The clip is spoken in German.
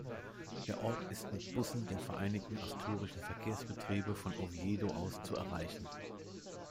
Der Ort ist mit Bussen der Vereinigten Asturischen Verkehrsbetriebe von Oviedo aus zu erreichen.